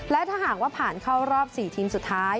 และถ้าหากว่าผ่านเข้ารอบ๔ทีมสุดท้าย